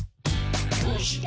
「どうして？